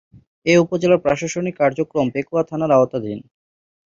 এ উপজেলার প্রশাসনিক কার্যক্রম পেকুয়া থানার আওতাধীন।